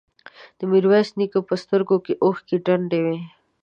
د ميرويس نيکه په سترګو کې اوښکې ډنډ وې.